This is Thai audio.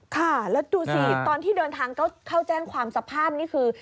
ค่ะแล้วดูสิตอนที่เดินทางเข้าแจ้งความสภาพนี่คือ